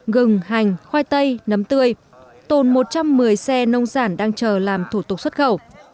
gừng hành khoai tây nấm tươi tồn một trăm một mươi xe nông sản đang chờ làm thủ tục xuất khẩu